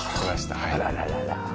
あららららら。